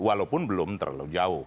walaupun belum terlalu jauh